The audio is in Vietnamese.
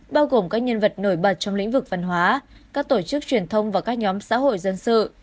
bao gồm các nhân vật nổi bật trong lĩnh vực văn hóa các tổ chức truyền thông và các nhóm xã hội dân sự